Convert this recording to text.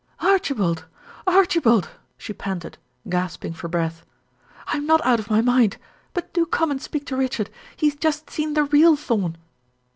"Archibald! Archibald!" She panted, gasping for breath. "I am not out of my mind but do come and speak to Richard! He has just seen the real Thorn."